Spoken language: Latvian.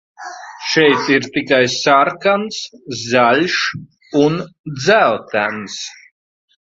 Šeit ir tikai sarkans, zaļš un dzeltens.